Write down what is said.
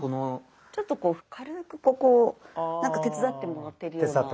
ちょっとこう軽くここを手伝ってもらってるような。